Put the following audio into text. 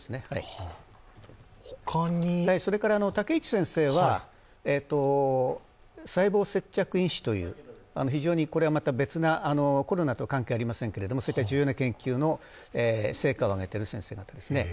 竹市先生は細胞接着因子という非常に別なコロナと関係ありませんけれども、重要な研究の成果を上げている先生方です。